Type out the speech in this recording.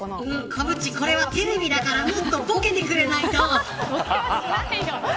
コムっち、これはテレビだからもっとぼけてくれないと。